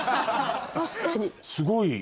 確かに。